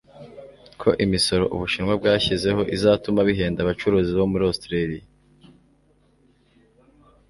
ko imisoro u Bushinwa bwashyizeho izatuma bihenda abacuruzi bo muri Australia